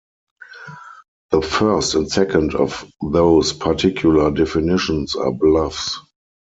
The first and second of those particular definitions are bluffs.